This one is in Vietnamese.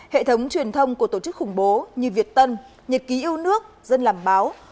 hệ thống truyền thông của tổ chức khủng bố như việt tân nhật ký yêu nước dân làm báo